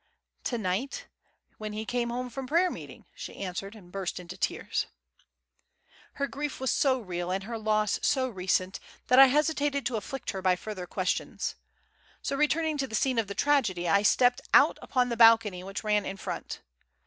"To night, when he came home from prayer meeting," she answered, and burst into tears. Her grief was so real and her loss so recent that I hesitated to afflict her by further questions. So returning to the scene of the tragedy, I stepped out upon the balcony which ran in front.